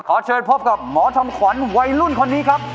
ขอเชิญพบกับหมอทำขวัญวัยรุ่นคนนี้ครับ